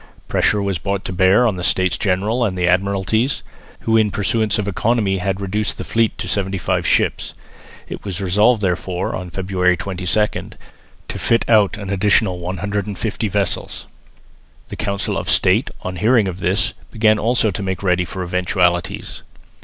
Pressure was brought to bear on the States General and the Admiralties, who in pursuance of economy had reduced the fleet to seventy five ships. It was resolved therefore, on February 22, to fit out an additional 150 vessels. The Council of State, on hearing of this, began also to make ready for eventualities.